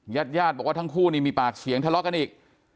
ญาติญาติบอกว่าทั้งคู่นี่มีปากเสียงทะเลาะกันอีก